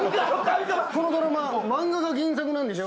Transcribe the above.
このドラマは漫画が原作なんでしょ？